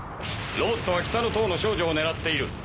ロボットは北の塔の少女を狙っている。